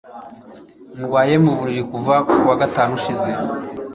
Ndwaye mu buriri kuva ku wa gatanu ushize